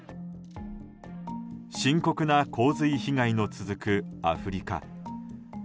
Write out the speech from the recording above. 深刻な洪水被害の続くアフリカ。